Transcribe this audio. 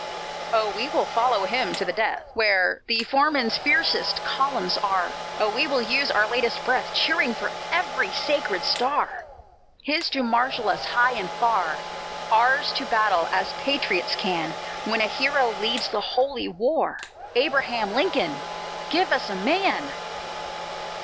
"Oh, we will follow him to the death, Where the foeman's fiercest columns are! Oh, we will use our latest breath, Cheering for every sacred star! His to marshal us high and far; Ours to battle, as patriots can When a Hero leads the Holy War! Abraham Lincoln, give us a MAN!"